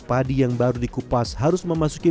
padi yang baru dikupas harus memasuki